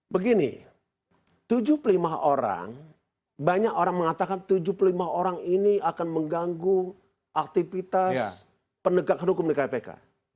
begini tujuh puluh lima orang banyak orang mengatakan tujuh puluh lima orang ini akan mengganggu aktivitas penegakan hukum di kpk